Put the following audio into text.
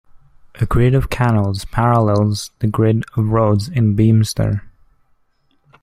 A grid of canals parallels the grid of roads in the Beemster.